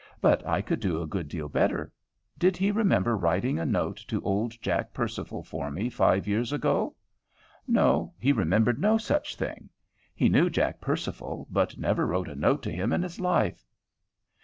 But I could do a good deal better. Did he remember writing a note to old Jack Percival for me five years ago? No, he remembered no such thing; he knew Jack Percival, but never wrote a note to him in his life.